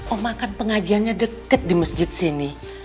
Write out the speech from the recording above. oma kan pengajiannya deket di masjid sini